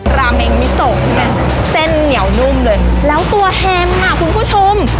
ราเมงมิโซที่เป็นเส้นเหนียวนุ่มเลยแล้วตัวแฮมอ่ะคุณผู้ชม